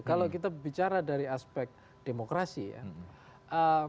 kalau kita bicara dari aspek demokrasi ya